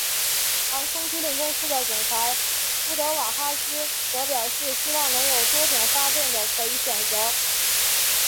航空租赁公司的总裁乌德瓦哈兹则表示希望能有多种发动的可以选择。